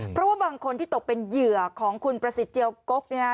เพราะว่าบางคนที่ตกเป็นเหยื่อของคุณประสิทธิเจียวกกเนี่ยนะ